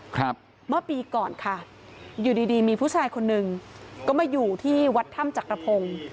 ครับเมื่อปีก่อนค่ะอยู่ดีดีมีผู้ชายคนหนึ่งก็มาอยู่ที่วัดถ้ำจักรพงศ์